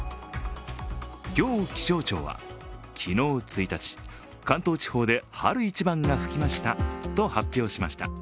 今日、気象庁は昨日１日、関東地方で春一番が吹きましたと発表しました。